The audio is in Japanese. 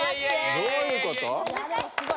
どういうこと？